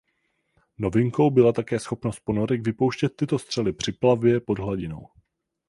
Novinkou byla také schopnost ponorek vypouštět tyto střely při plavbě pod hladinou.